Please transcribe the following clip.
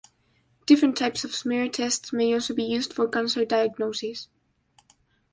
Different types of smear tests may also be used for cancer diagnosis.